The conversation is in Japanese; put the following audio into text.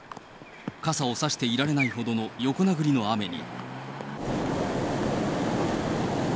傘を差していられないほどの横殴りの雨に。